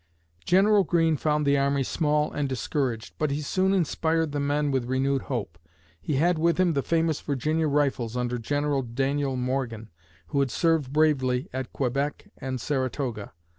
General Greene found the army small and discouraged, but he soon inspired the men with renewed hope. He had with him the famous Virginia Rifles under General Daniel Morgan, who had served bravely at Quebec and Saratoga.